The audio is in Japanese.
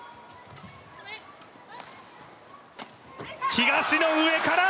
東野、上から！